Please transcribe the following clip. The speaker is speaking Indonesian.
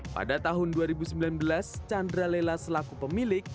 pada tahun dua ribu sembilan belas chandra lela selaku pemilik